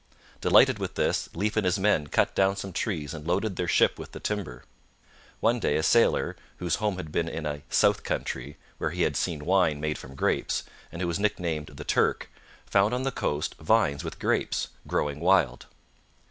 Delighted with this, Leif and his men cut down some trees and loaded their ship with the timber. One day a sailor, whose home had been in a 'south country,' where he had seen wine made from grapes, and who was nicknamed the 'Turk,' found on the coast vines with grapes, growing wild.